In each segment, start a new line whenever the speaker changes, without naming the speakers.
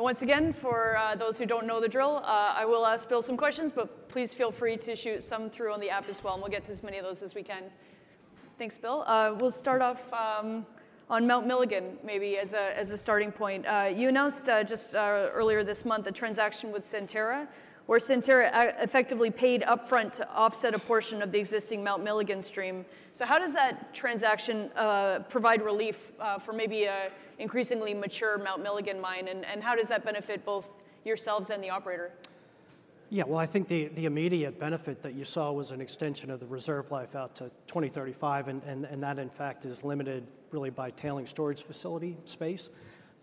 Once again, for those who don't know the drill, I will ask Bill some questions, but please feel free to shoot some through on the app as well, and we'll get to as many of those as we can. Thanks, Bill. We'll start off on Mount Milligan, maybe, as a starting point. You announced just earlier this month a transaction with Centerra where Centerra effectively paid upfront to offset a portion of the existing Mount Milligan stream. So how does that transaction provide relief for maybe an increasingly mature Mount Milligan mine, and how does that benefit both yourselves and the operator?
Yeah, well, I think the immediate benefit that you saw was an extension of the reserve life out to 2035, and that, in fact, is limited really by tailings storage facility space.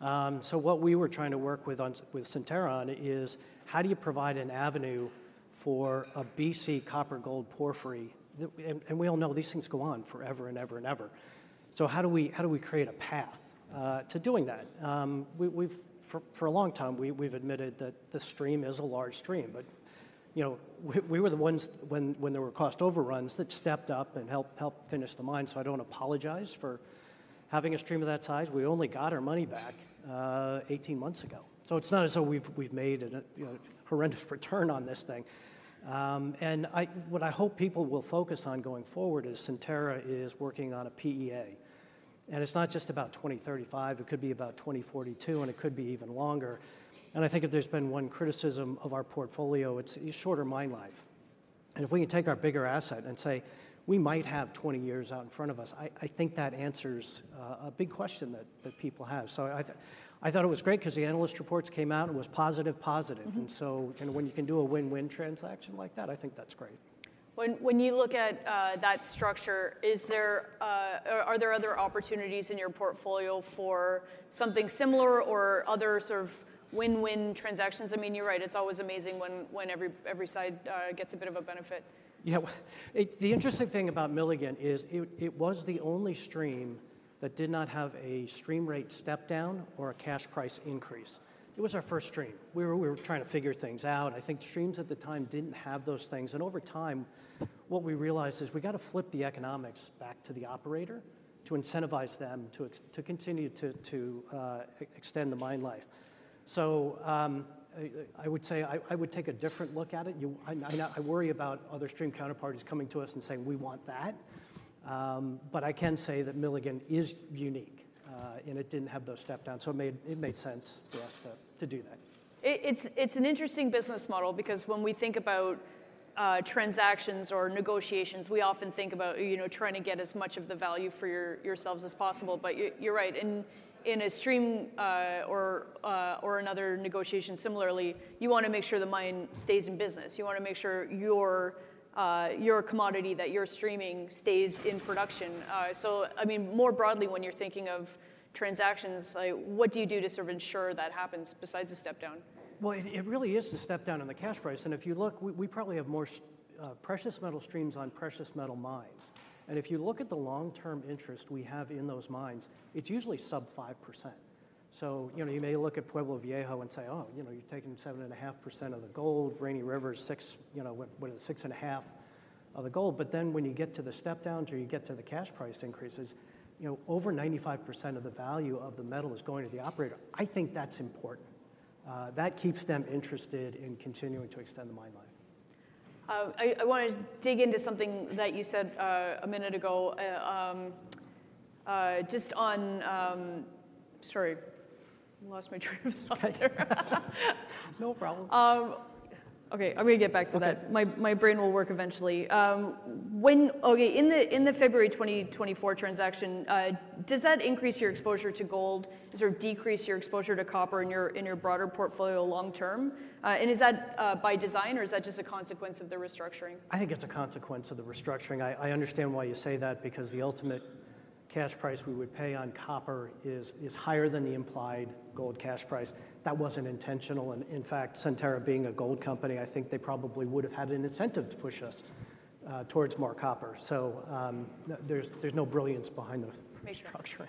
So what we were trying to work with Centerra on is how do you provide an avenue for a BC copper-gold porphyry? And we all know these things go on forever and ever and ever. So how do we create a path to doing that? For a long time, we've admitted that the stream is a large stream. But we were the ones, when there were cost overruns, that stepped up and helped finish the mine. So I don't apologize for having a stream of that size. We only got our money back 18 months ago. So it's not as though we've made a horrendous return on this thing. What I hope people will focus on going forward is Centerra is working on a PEA. It's not just about 2035. It could be about 2042, and it could be even longer. I think if there's been one criticism of our portfolio, it's shorter mine life. If we can take our bigger asset and say we might have 20 years out in front of us, I think that answers a big question that people have. I thought it was great because the analyst reports came out, and it was positive, positive. When you can do a win-win transaction like that, I think that's great.
When you look at that structure, are there other opportunities in your portfolio for something similar or other sort of win-win transactions? I mean, you're right. It's always amazing when every side gets a bit of a benefit.
Yeah. The interesting thing about Milligan is it was the only stream that did not have a stream rate step down or a cash price increase. It was our first stream. We were trying to figure things out. I think streams at the time didn't have those things. Over time, what we realized is we got to flip the economics back to the operator to incentivize them to continue to extend the mine life. I would say I would take a different look at it. I worry about other stream counterparties coming to us and saying, "We want that." I can say that Milligan is unique, and it didn't have those step downs. It made sense for us to do that.
It's an interesting business model because when we think about transactions or negotiations, we often think about trying to get as much of the value for yourselves as possible. But you're right. And in a stream or another negotiation similarly, you want to make sure the mine stays in business. You want to make sure your commodity that you're streaming stays in production. So I mean, more broadly, when you're thinking of transactions, what do you do to sort of ensure that happens besides a step down?
Well, it really is a step down in the cash price. And if you look, we probably have more precious metal streams on precious metal mines. And if you look at the long-term interest we have in those mines, it's usually sub 5%. So you may look at Pueblo Viejo and say, "Oh, you're taking 7.5% of the gold, Rainy River's, what is it, 6.5% of the gold." But then when you get to the step downs or you get to the cash price increases, over 95% of the value of the metal is going to the operator. I think that's important. That keeps them interested in continuing to extend the mine life.
I want to dig into something that you said a minute ago, just on, sorry. I lost my train of thought there.
No problem.
OK, I'm going to get back to that. My brain will work eventually. OK, in the February 2024 transaction, does that increase your exposure to gold, sort of decrease your exposure to copper in your broader portfolio long term? And is that by design, or is that just a consequence of the restructuring?
I think it's a consequence of the restructuring. I understand why you say that because the ultimate cash price we would pay on copper is higher than the implied gold cash price. That wasn't intentional. And in fact, Centerra being a gold company, I think they probably would have had an incentive to push us towards more copper. There's no brilliance behind the restructuring.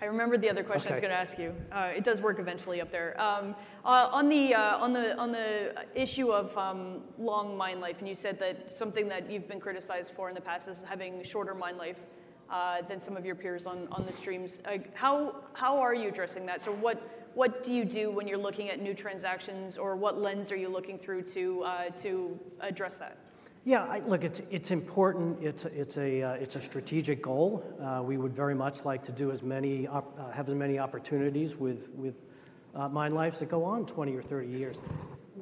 I remembered the other question I was going to ask you. It does work eventually up there. On the issue of long mine life, and you said that something that you've been criticized for in the past is having shorter mine life than some of your peers on the streams. How are you addressing that? So what do you do when you're looking at new transactions, or what lens are you looking through to address that?
Yeah, look, it's important. It's a strategic goal. We would very much like to have as many opportunities with mine lives that go on 20 or 30 years.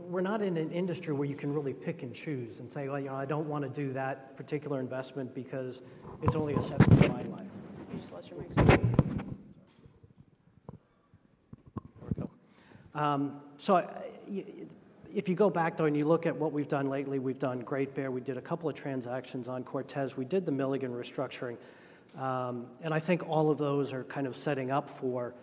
We're not in an industry where you can really pick and choose and say, "Well, I don't want to do that particular investment because it's only a mine life.
Can you just lower your mic?
Sorry. There we go. So if you go back, though, and you look at what we've done lately, we've done Great Bear. We did a couple of transactions on Cortez. We did the Milligan restructuring. And I think all of those are kind of setting up for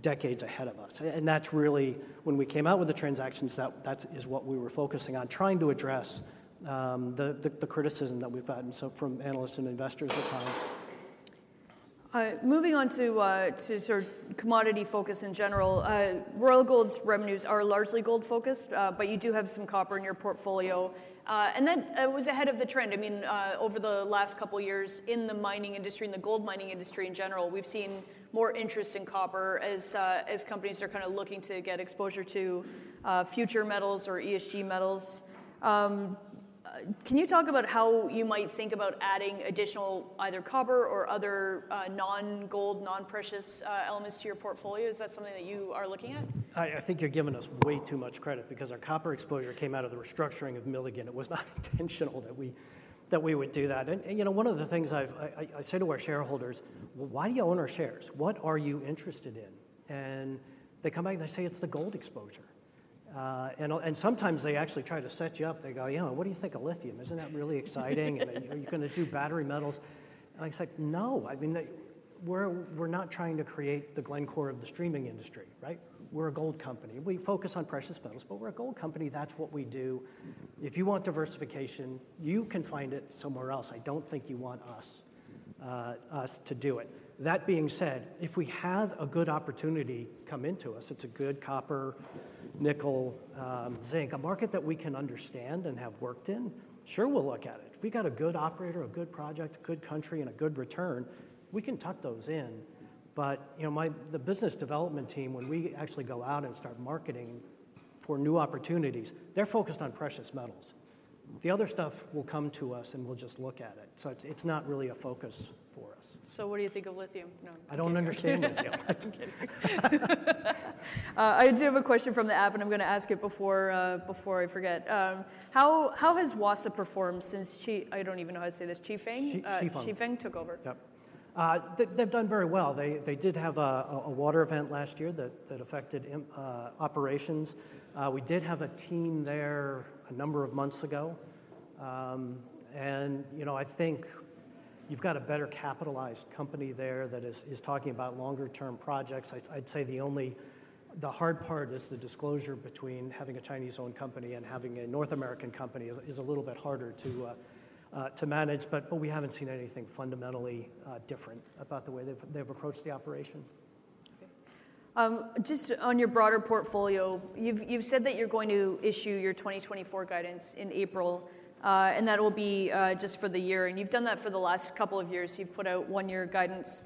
decades ahead of us. And that's really when we came out with the transactions, that is what we were focusing on, trying to address the criticism that we've gotten from analysts and investors at times.
Moving on to sort of commodity focus in general, Royal Gold's revenues are largely gold-focused, but you do have some copper in your portfolio. And that was ahead of the trend. I mean, over the last couple of years in the mining industry, in the gold mining industry in general, we've seen more interest in copper as companies are kind of looking to get exposure to future metals or ESG metals. Can you talk about how you might think about adding additional either copper or other non-gold, non-precious elements to your portfolio? Is that something that you are looking at?
I think you're giving us way too much credit because our copper exposure came out of the restructuring of Milligan. It was not intentional that we would do that. And one of the things I say to our shareholders, "Why do you own our shares? What are you interested in?" And they come back and they say, "It's the gold exposure." And sometimes they actually try to set you up. They go, "Yeah, what do you think of lithium? Isn't that really exciting? Are you going to do battery metals?" And I said, "No. I mean, we're not trying to create the Glencore of the streaming industry, right? We're a gold company. We focus on precious metals. But we're a gold company. That's what we do. If you want diversification, you can find it somewhere else. I don't think you want us to do it." That being said, if we have a good opportunity come into us, it's a good copper, nickel, zinc, a market that we can understand and have worked in, sure, we'll look at it. If we've got a good operator, a good project, a good country, and a good return, we can tuck those in. But the business development team, when we actually go out and start marketing for new opportunities, they're focused on precious metals. The other stuff will come to us, and we'll just look at it. So it's not really a focus for us.
What do you think of lithium?
I don't understand this yet.
I'm kidding. I do have a question from the app, and I'm going to ask it before I forget. How has Wassa performed since I don't even know how to say this, Chifeng?
Chifeng.
Chifeng took over.
Yep. They've done very well. They did have a water event last year that affected operations. We did have a team there a number of months ago. And I think you've got a better capitalized company there that is talking about longer-term projects. I'd say the hard part is the disclosure between having a Chinese-owned company and having a North American company is a little bit harder to manage. But we haven't seen anything fundamentally different about the way they've approached the operation.
OK. Just on your broader portfolio, you've said that you're going to issue your 2024 guidance in April, and that will be just for the year. You've done that for the last couple of years. You've put out one-year guidance.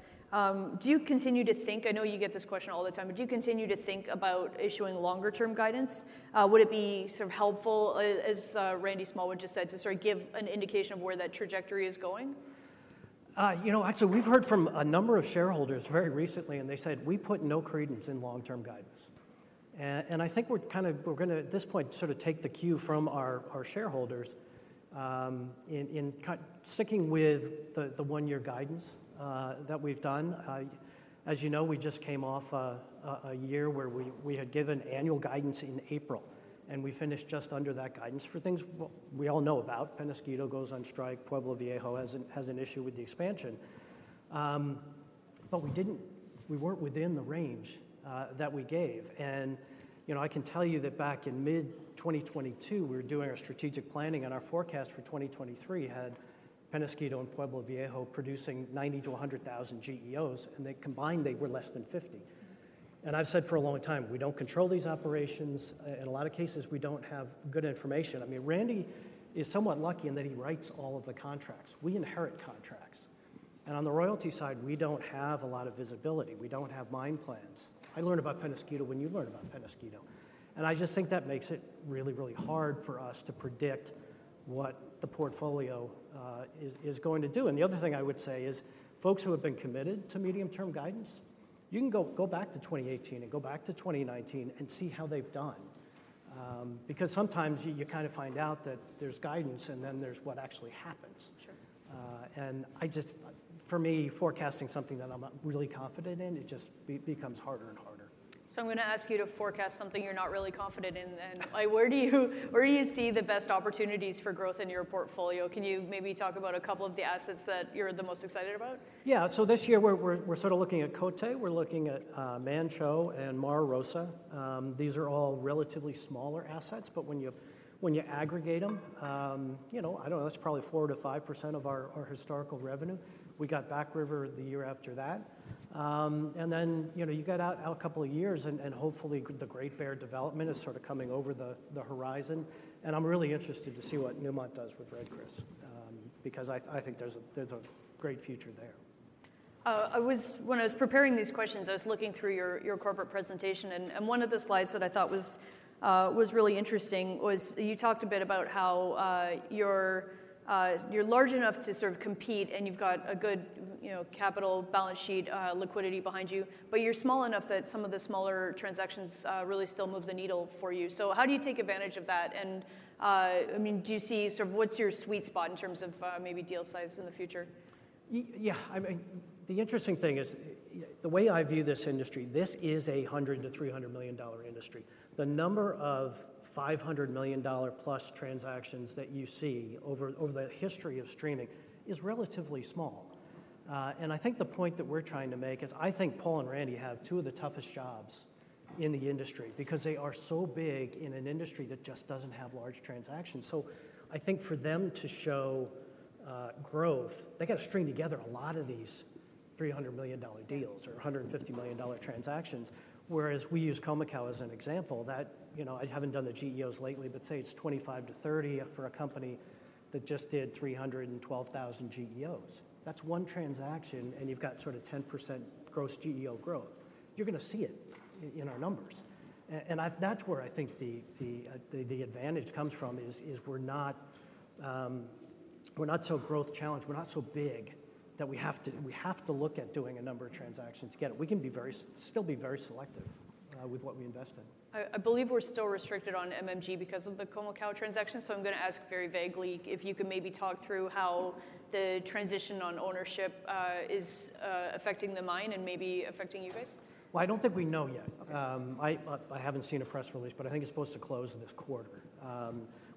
Do you continue to think—I know you get this question all the time, but do you continue to think about issuing longer-term guidance? Would it be sort of helpful, as Randy Smallwood just said, to sort of give an indication of where that trajectory is going?
You know, actually, we've heard from a number of shareholders very recently, and they said, "We put no credence in long-term guidance." And I think we're kind of going to, at this point, sort of take the cue from our shareholders in sticking with the one-year guidance that we've done. As you know, we just came off a year where we had given annual guidance in April. And we finished just under that guidance for things we all know about. Peñasquito goes on strike. Pueblo Viejo has an issue with the expansion. But we weren't within the range that we gave. And I can tell you that back in mid-2022, we were doing our strategic planning, and our forecast for 2023 had Peñasquito and Pueblo Viejo producing 90,000-100,000 GEOs. And combined, they were less than 50. And I've said for a long time, we don't control these operations. In a lot of cases, we don't have good information. I mean, Randy is somewhat lucky in that he writes all of the contracts. We inherit contracts. On the royalty side, we don't have a lot of visibility. We don't have mine plans. I learned about Peñasquito when you learned about Peñasquito. I just think that makes it really, really hard for us to predict what the portfolio is going to do. The other thing I would say is folks who have been committed to medium-term guidance, you can go back to 2018 and go back to 2019 and see how they've done. Because sometimes you kind of find out that there's guidance, and then there's what actually happens. For me, forecasting something that I'm not really confident in, it just becomes harder and harder.
I'm going to ask you to forecast something you're not really confident in. Where do you see the best opportunities for growth in your portfolio? Can you maybe talk about a couple of the assets that you're the most excited about?
Yeah. So this year, we're sort of looking at Côté. We're looking at Manh Choh and Mara Rosa. These are all relatively smaller assets. But when you aggregate them, I don't know. That's probably 4%-5% of our historical revenue. We got Back River the year after that. And then you got out a couple of years, and hopefully, the Great Bear development is sort of coming over the horizon. And I'm really interested to see what Newmont does with Red Chris because I think there's a great future there.
When I was preparing these questions, I was looking through your corporate presentation. One of the slides that I thought was really interesting was you talked a bit about how you're large enough to sort of compete, and you've got a good capital balance sheet liquidity behind you. You're small enough that some of the smaller transactions really still move the needle for you. How do you take advantage of that? I mean, do you see sort of what's your sweet spot in terms of maybe deal size in the future?
Yeah. I mean, the interesting thing is the way I view this industry, this is a $100 million-$300 million industry. The number of $500 million+ transactions that you see over the history of streaming is relatively small. And I think the point that we're trying to make is I think Paul and Randy have two of the toughest jobs in the industry because they are so big in an industry that just doesn't have large transactions. So I think for them to show growth, they got to string together a lot of these $300 million deals or $150 million transactions. Whereas we use Khoemacau as an example. I haven't done the GEOs lately, but say it's 25-30 for a company that just did 312,000 GEOs. That's one transaction, and you've got sort of 10% gross GEO growth. You're going to see it in our numbers. That's where I think the advantage comes from is we're not so growth challenged. We're not so big that we have to look at doing a number of transactions to get it. We can still be very selective with what we invest in.
I believe we're still restricted on MMG because of the Khoemacau transaction. So I'm going to ask very vaguely if you can maybe talk through how the transition on ownership is affecting the mine and maybe affecting you guys.
Well, I don't think we know yet. I haven't seen a press release, but I think it's supposed to close this quarter.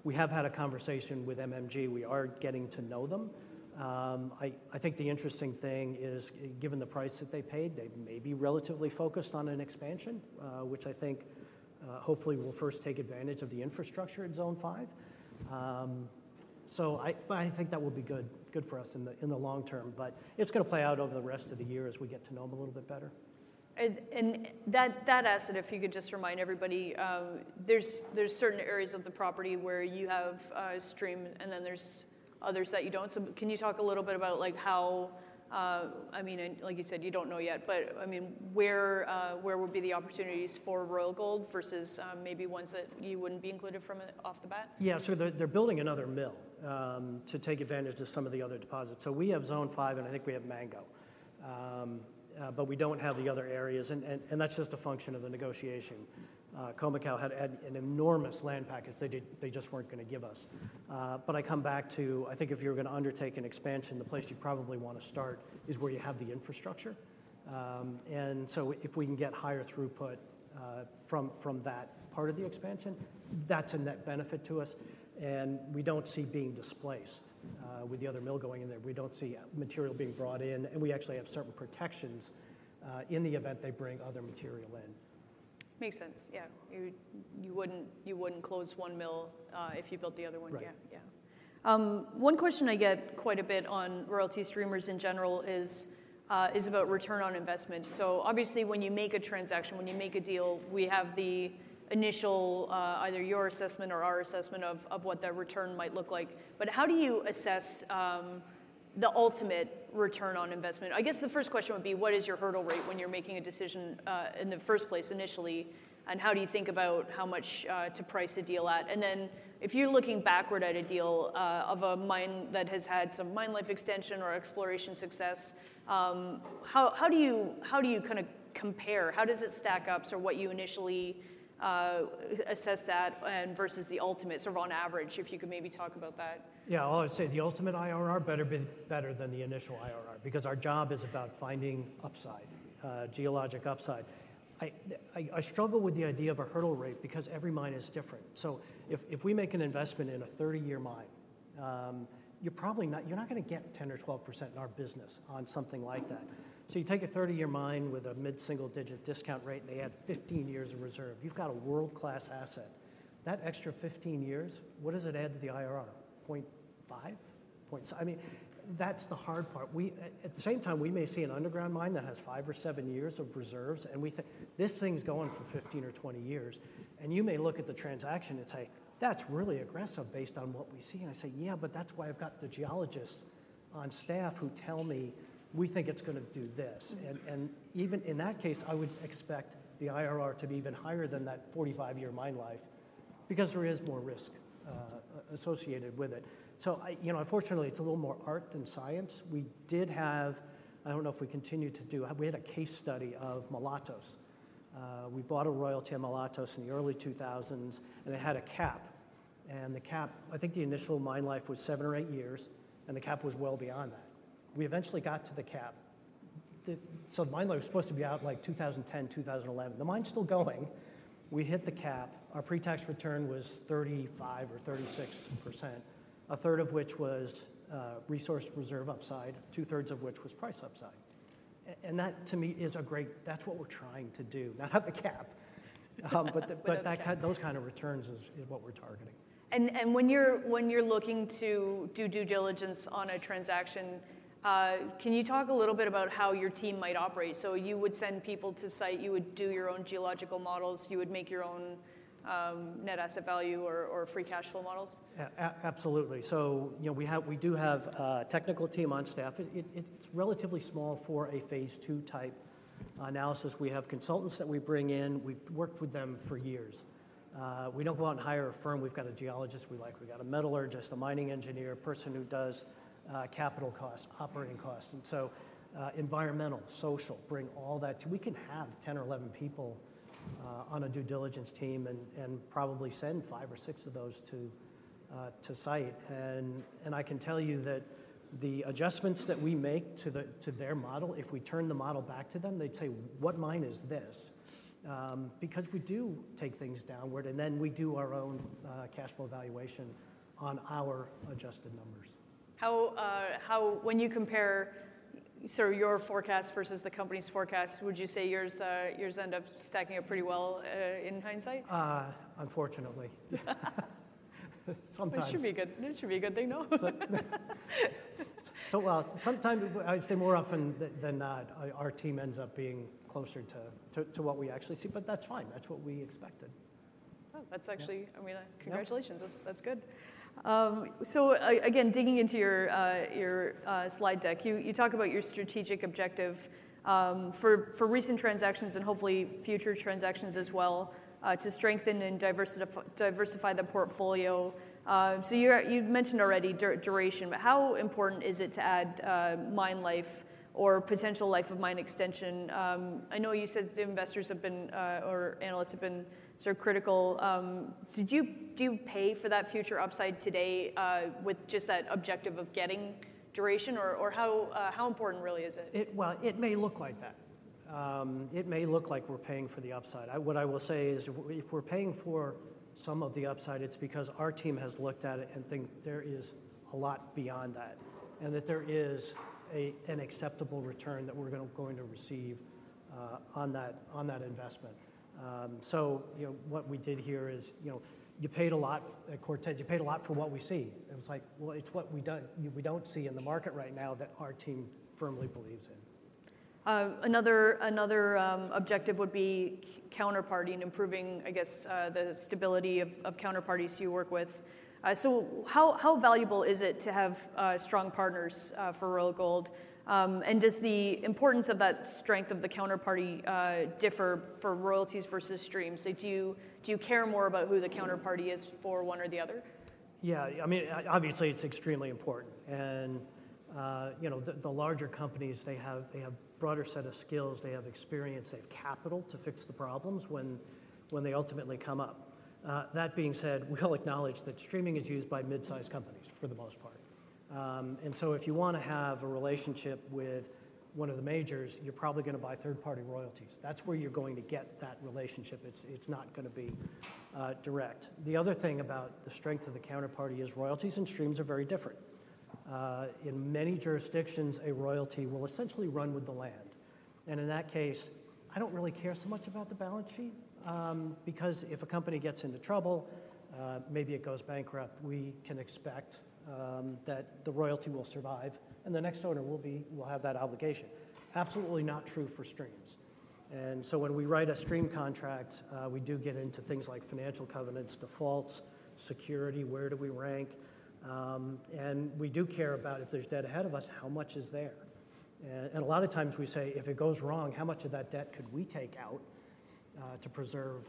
We have had a conversation with MMG. We are getting to know them. I think the interesting thing is, given the price that they paid, they may be relatively focused on an expansion, which I think hopefully will first take advantage of the infrastructure in Zone five. But I think that will be good for us in the long term. But it's going to play out over the rest of the year as we get to know them a little bit better.
And that asset, if you could just remind everybody, there's certain areas of the property where you have stream, and then there's others that you don't. So can you talk a little bit about how I mean, like you said, you don't know yet. But I mean, where would be the opportunities for Royal Gold versus maybe ones that you wouldn't be included from off the bat?
Yeah. So they're building another mill to take advantage of some of the other deposits. So we have Zone five, and I think we have Mango. But we don't have the other areas. And that's just a function of the negotiation. Khoemacau had an enormous land package. They just weren't going to give us. But I come back to I think if you're going to undertake an expansion, the place you probably want to start is where you have the infrastructure. And so if we can get higher throughput from that part of the expansion, that's a net benefit to us. And we don't see being displaced with the other mill going in there. We don't see material being brought in. And we actually have certain protections in the event they bring other material in.
Makes sense. Yeah. You wouldn't close one mill if you built the other one.
Right.
Yeah. One question I get quite a bit on royalty streamers in general is about return on investment. So obviously, when you make a transaction, when you make a deal, we have the initial either your assessment or our assessment of what that return might look like. But how do you assess the ultimate return on investment? I guess the first question would be, what is your hurdle rate when you're making a decision in the first place, initially? And how do you think about how much to price a deal at? And then if you're looking backward at a deal of a mine that has had some mine life extension or exploration success, how do you kind of compare? How does it stack up? So what you initially assess that versus the ultimate sort of on average, if you could maybe talk about that?
Yeah. All I would say, the ultimate IRR better than the initial IRR because our job is about finding upside, geologic upside. I struggle with the idea of a hurdle rate because every mine is different. So if we make an investment in a 30-year mine, you're not going to get 10% or 12% in our business on something like that. So you take a 30-year mine with a mid-single digit discount rate, and they add 15 years of reserve. You've got a world-class asset. That extra 15 years, what does it add to the IRR? 0.5? I mean, that's the hard part. At the same time, we may see an underground mine that has 5 or 7 years of reserves. And this thing's going for 15 or 20 years. You may look at the transaction and say, "That's really aggressive based on what we see." And I say, "Yeah, but that's why I've got the geologists on staff who tell me we think it's going to do this." And even in that case, I would expect the IRR to be even higher than that 45-year mine life because there is more risk associated with it. So unfortunately, it's a little more art than science. We had a case study of Mulatos. We bought a royalty at Molotov in the early 2000s, and it had a cap. And I think the initial mine life was seven or eight years, and the cap was well beyond that. We eventually got to the cap. So the mine life was supposed to be out like 2010, 2011. The mine's still going. We hit the cap. Our pre-tax return was 35% or 36%, a third of which was resource reserve upside, two-thirds of which was price upside. And that, to me, is a great that's what we're trying to do, not have the cap. But those kind of returns is what we're targeting.
When you're looking to do due diligence on a transaction, can you talk a little bit about how your team might operate? You would send people to site. You would do your own geological models. You would make your own net asset value or free cash flow models.
Absolutely. So we do have a technical team on staff. It's relatively small for a phase two-type analysis. We have consultants that we bring in. We've worked with them for years. We don't go out and hire a firm. We've got a geologist we like. We've got a metallurgist, a mining engineer, a person who does capital costs, operating costs, and so environmental, social, bring all that to we can have 10 or 11 people on a due diligence team and probably send five or six of those to site. And I can tell you that the adjustments that we make to their model, if we turn the model back to them, they'd say, "What mine is this?" Because we do take things downward, and then we do our own cash flow evaluation on our adjusted numbers.
When you compare sort of your forecast versus the company's forecast, would you say yours end up stacking up pretty well in hindsight?
Unfortunately. Sometimes.
It should be good. It should be a good thing, no?
Well, sometimes I would say more often than not, our team ends up being closer to what we actually see. But that's fine. That's what we expected.
Oh, that's actually, I mean, congratulations. That's good. So again, digging into your slide deck, you talk about your strategic objective for recent transactions and hopefully future transactions as well to strengthen and diversify the portfolio. So you mentioned already duration. But how important is it to add mine life or potential life of mine extension? I know you said the investors have been or analysts have been sort of critical. Do you pay for that future upside today with just that objective of getting duration? Or how important really is it?
Well, it may look like that. It may look like we're paying for the upside. What I will say is if we're paying for some of the upside, it's because our team has looked at it and thinks there is a lot beyond that and that there is an acceptable return that we're going to receive on that investment. So what we did here is you paid a lot Cortez, you paid a lot for what we see. It was like, well, it's what we don't see in the market right now that our team firmly believes in.
Another objective would be counterparty and improving, I guess, the stability of counterparties you work with. So how valuable is it to have strong partners for Royal Gold? And does the importance of that strength of the counterparty differ for royalties versus streams? Do you care more about who the counterparty is for one or the other?
Yeah. I mean, obviously, it's extremely important. And the larger companies, they have a broader set of skills. They have experience. They have capital to fix the problems when they ultimately come up. That being said, we all acknowledge that streaming is used by midsize companies for the most part. And so if you want to have a relationship with one of the majors, you're probably going to buy third-party royalties. That's where you're going to get that relationship. It's not going to be direct. The other thing about the strength of the counterparty is royalties and streams are very different. In many jurisdictions, a royalty will essentially run with the land. In that case, I don't really care so much about the balance sheet because if a company gets into trouble, maybe it goes bankrupt, we can expect that the royalty will survive, and the next owner will have that obligation. Absolutely not true for streams. And so when we write a stream contract, we do get into things like financial covenants, defaults, security, where do we rank? And we do care about if there's debt ahead of us, how much is there? And a lot of times, we say, if it goes wrong, how much of that debt could we take out to preserve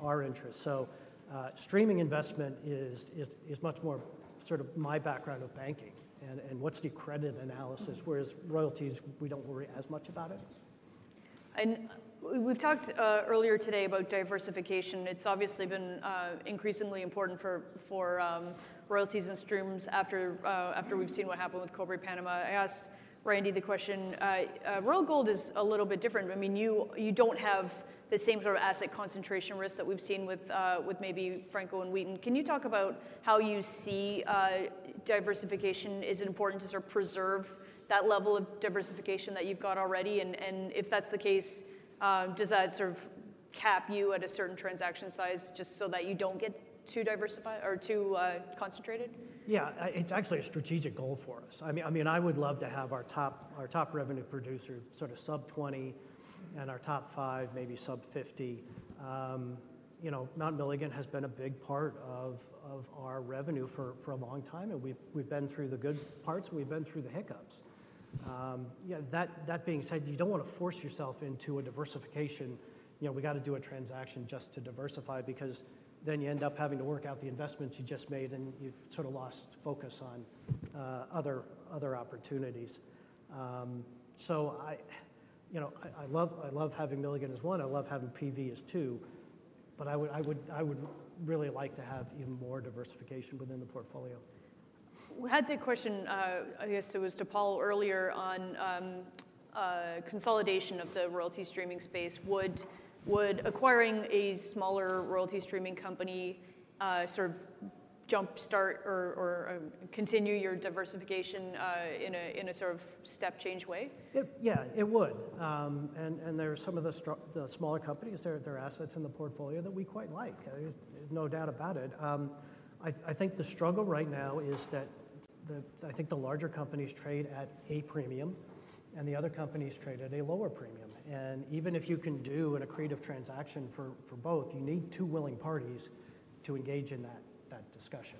our interests? So streaming investment is much more sort of my background of banking and what's the credit analysis. Whereas royalties, we don't worry as much about it.
We've talked earlier today about diversification. It's obviously been increasingly important for royalties and streams after we've seen what happened with Cobre Panama. I asked Randy the question. Royal Gold is a little bit different. I mean, you don't have the same sort of asset concentration risk that we've seen with maybe Franco and Wheaton. Can you talk about how you see diversification is important to sort of preserve that level of diversification that you've got already? And if that's the case, does that sort of cap you at a certain transaction size just so that you don't get too diversified or too concentrated?
Yeah. It's actually a strategic goal for us. I mean, I would love to have our top revenue producer sort of sub-20 and our top five maybe sub-50. Mount Milligan has been a big part of our revenue for a long time. And we've been through the good parts. We've been through the hiccups. That being said, you don't want to force yourself into a diversification. We got to do a transaction just to diversify because then you end up having to work out the investments you just made, and you've sort of lost focus on other opportunities. So I love having Milligan as one. I love having PV as two. But I would really like to have even more diversification within the portfolio.
We had that question, I guess it was to Paul earlier on consolidation of the royalty streaming space. Would acquiring a smaller royalty streaming company sort of jump-start or continue your diversification in a sort of step-change way?
Yeah. It would. And there are some of the smaller companies, there are assets in the portfolio that we quite like. There's no doubt about it. I think the struggle right now is that I think the larger companies trade at a premium, and the other companies trade at a lower premium. And even if you can do an accretive transaction for both, you need two willing parties to engage in that discussion.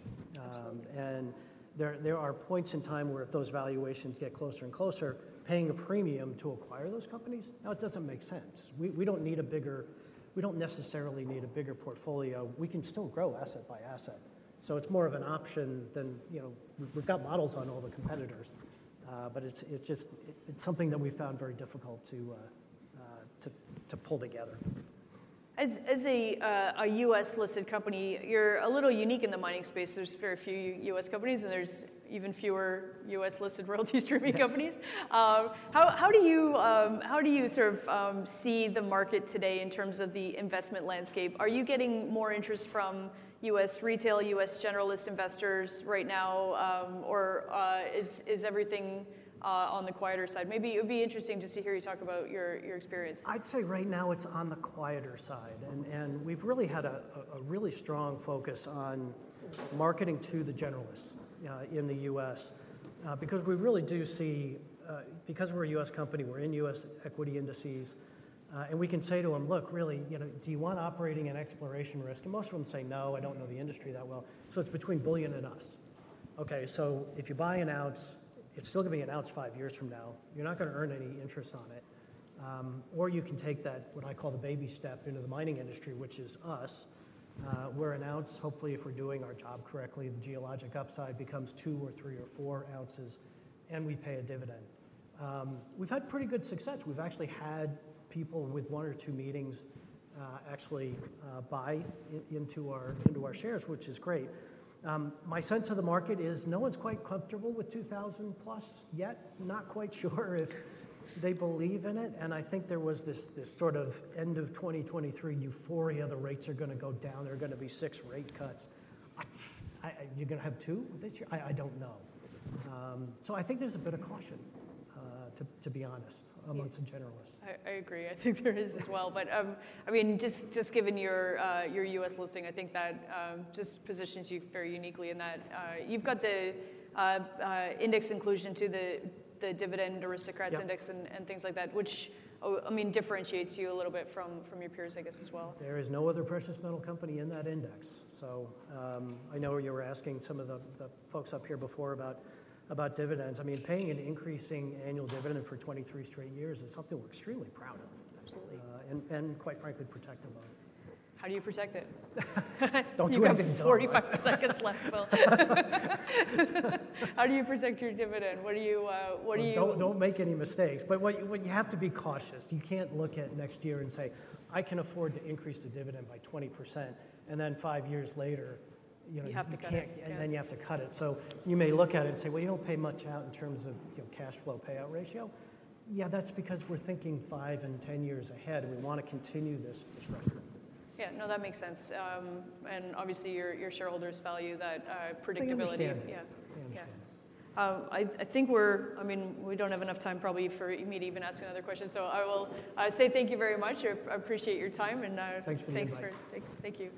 And there are points in time where if those valuations get closer and closer, paying a premium to acquire those companies? No, it doesn't make sense. We don't need a bigger, we don't necessarily need a bigger portfolio. We can still grow asset by asset. So it's more of an option than we've got models on all the competitors. But it's something that we found very difficult to pull together.
As a U.S.-listed company, you're a little unique in the mining space. There's very few U.S. companies, and there's even fewer U.S.-listed royalty streaming companies. How do you sort of see the market today in terms of the investment landscape? Are you getting more interest from U.S. retail, U.S. generalist investors right now? Or is everything on the quieter side? Maybe it would be interesting to hear you talk about your experience.
I'd say right now, it's on the quieter side. We've really had a really strong focus on marketing to the generalists in the U.S. because we really do see because we're a U.S. company, we're in U.S. equity indices. And we can say to them, "Look, really, do you want operating and exploration risk?" And most of them say, "No. I don't know the industry that well." So it's between Bullion and us. OK? So if you buy an ounce, it's still going to be an ounce five years from now. You're not going to earn any interest on it. Or you can take that what I call the baby step into the mining industry, which is us, where an ounce, hopefully, if we're doing our job correctly, the geologic upside becomes two or three or four ounces, and we pay a dividend. We've had pretty good success. We've actually had people with one or two meetings actually buy into our shares, which is great. My sense of the market is no one's quite comfortable with 2,000+ yet. Not quite sure if they believe in it. I think there was this sort of end of 2023 euphoria the rates are going to go down. There are going to be 6 rate cuts. You're going to have 2 this year? I don't know. So I think there's a bit of caution, to be honest, amongst the generalists.
I agree. I think there is as well. But I mean, just given your U.S. listing, I think that just positions you very uniquely in that you've got the index inclusion to the Dividend Aristocrats index and things like that, which, I mean, differentiates you a little bit from your peers, I guess, as well.
There is no other precious metal company in that index. So I know you were asking some of the folks up here before about dividends. I mean, paying an increasing annual dividend for 23 straight years is something we're extremely proud of and quite frankly protective of.
How do you protect it?
Don't do anything dumb.
We've got 45 seconds left, Bill. How do you protect your dividend? What do you?
Don't make any mistakes. You have to be cautious. You can't look at next year and say, "I can afford to increase the dividend by 20%," and then five years later, you can't.
You have to cut it.
Then you have to cut it. You may look at it and say, "Well, you don't pay much out in terms of cash flow payout ratio." Yeah, that's because we're thinking 5 and 10 years ahead. We want to continue this record.
Yeah. No, that makes sense. And obviously, your shareholders value that predictability.
They understand. They understand.
Yeah. I think we're, I mean, we don't have enough time probably for me to even ask another question. So I will say thank you very much. I appreciate your time. And thanks for inviting.
Thanks for inviting.
Thank you.